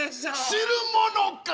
知るものか。